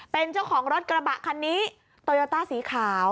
เป็นเจ้าของรถกระบะคันนี้โตโยต้าสีขาว